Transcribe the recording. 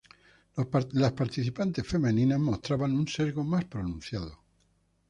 Las participantes femeninas mostraban un sesgo más pronunciado.